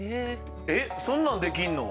えっそんなんできんの？